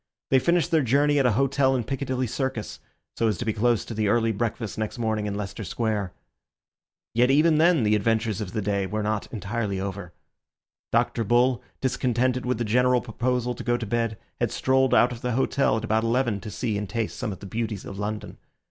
They finished their journey at an hotel in Piccadilly Circus, so as to be close to the early breakfast next morning in Leicester Square. Yet even then the adventures of the day were not entirely over. Dr. Bull, discontented with the general proposal to go to bed, had strolled out of the hotel at about eleven to see and taste some of the beauties of London.